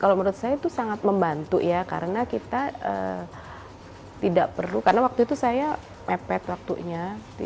kalau menurut saya itu sangat membantu ya karena kita tidak perlu karena waktu itu saya mepet waktunya